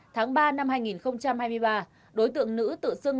tháng ba năm hai nghìn hai mươi ba đối tượng nữ tự xưng